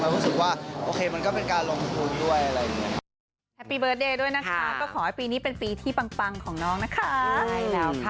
รู้สึกว่าโอเคมันก็เป็นการลงทุนด้วยอะไรอย่างนี้